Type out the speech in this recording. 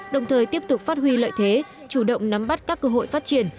đồng thời tiếp tục phát huy lợi thế chủ động nắm bắt các cơ hội phát triển